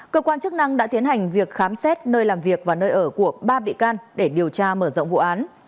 cơ quan chức năng đã tiến hành việc khám xét nơi làm việc và nơi ở của ba bị can để điều tra mở rộng vụ án